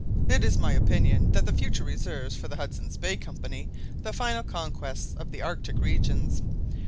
It is my opinion that the future reserves for the Hudson's Bay Company the final conquest of the Arctic regions.